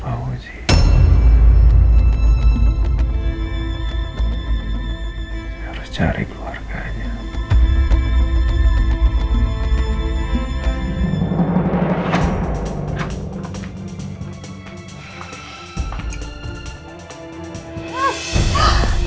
saya harus cari keluarganya